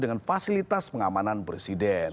dengan fasilitas pengamanan presiden